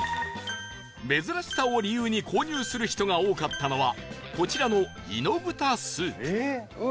珍しさを理由に購入する人が多かったのはこちらのイノブタスープ